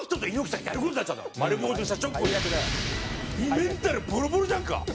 メンタルボロボロじゃんか。